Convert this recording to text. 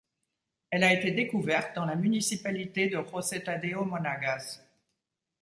Elle a été découverte dans la municipalité de José Tadeo Monagas.